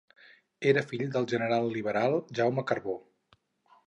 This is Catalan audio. Era fill del general liberal Jaume Carbó.